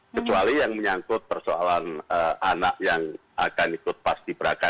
tapi itu memang menyangkut persoalan anak yang akan ikut pasti berakah